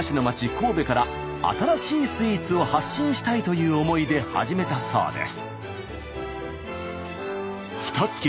神戸から新しいスイーツを発信したいという思いで始めたそうです。